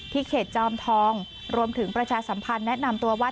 เขตจอมทองรวมถึงประชาสัมพันธ์แนะนำตัวว่า